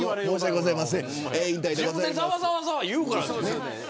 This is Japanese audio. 自分でざわざわ言うからですよ